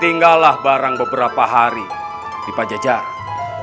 tinggallah barang beberapa hari di pajajaran